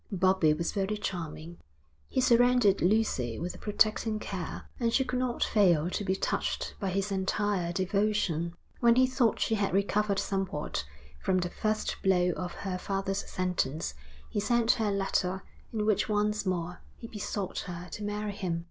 Bobbie was very charming. He surrounded Lucy with a protecting care, and she could not fail to be touched by his entire devotion. When he thought she had recovered somewhat from the first blow of her father's sentence, he sent her a letter in which once more he besought her to marry him.